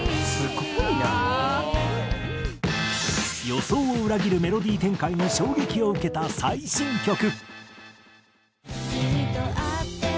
予想を裏切るメロディー展開に衝撃を受けた最新曲。